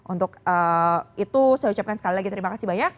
untuk itu saya ucapkan sekali lagi terima kasih banyak